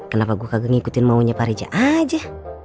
kenapa gua gak ngikutin maunya pak reja aja